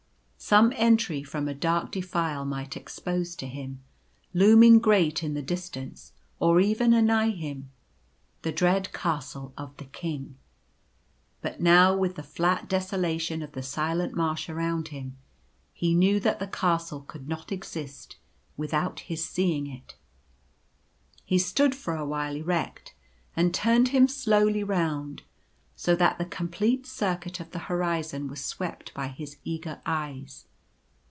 Some entry from a dark defile might expose to him, looming great in the distance — or even anigh him — the dread Castle of the King. But now with the flat desolation of the silent marsh around him, he knew that the Castle could not exist without his seeing it. He stood for a while erect, and turned him slowly round, so that the complete circuit of the horizon was swept by his eager eyes.